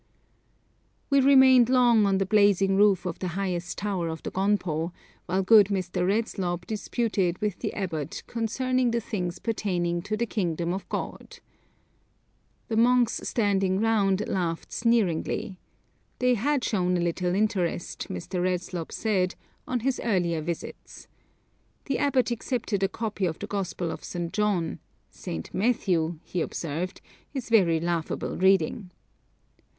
We remained long on the blazing roof of the highest tower of the gonpo, while good Mr. Redslob disputed with the abbot 'concerning the things pertaining to the kingdom of God.' The monks standing round laughed sneeringly. They had shown a little interest, Mr. R. said, on his earlier visits. The abbot accepted a copy of the Gospel of St. John. 'St. Matthew,' he observed, 'is very laughable reading.'